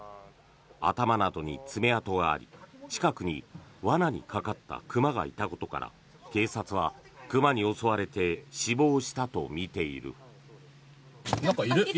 頭などに爪痕があり、近くに罠にかかった熊がいたことから警察は熊に襲われて死亡したとみている。